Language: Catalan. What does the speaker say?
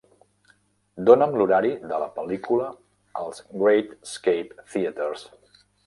Dóna'm l'horari de la pel·lícula als Great Escape Theatres.